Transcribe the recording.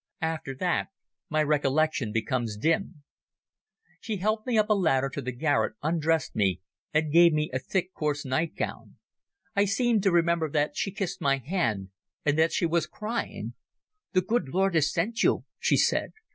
After that my recollection becomes dim. She helped me up a ladder to the garret, undressed me, and gave me a thick coarse nightgown. I seem to remember that she kissed my hand, and that she was crying. "The good Lord has sent you," she said.